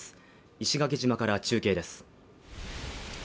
石垣島から中継です